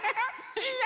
いいよ！